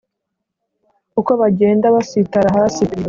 Uko bagenda basitara hasi